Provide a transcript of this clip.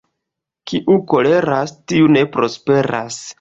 Kiu koleras, tiu ne prosperas.